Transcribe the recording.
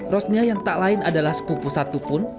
rosnia yang tak lain adalah sepupu satu pun